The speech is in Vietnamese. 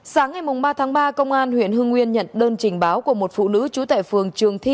sáng ngày ba tháng ba công an huyện hưng nguyên nhận đơn trình báo của một phụ nữ trú tại phường trường thi